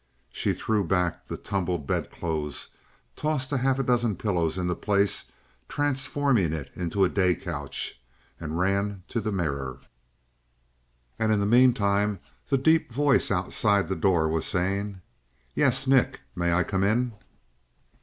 She threw back the tumbled bedclothes, tossed half a dozen pillows into place, transforming it into a day couch, and ran to the mirror. And in the meantime, the deep voice outside the door was saying: "Yes, Nick. May I come in?"